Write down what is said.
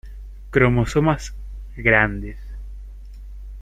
Cromosomas "grandes".